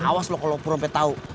awas loh kalau promet tau